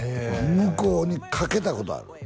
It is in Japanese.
向こうにかけたことある？